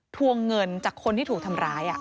ทวงเงินจากคนที่ถูกทำร้าย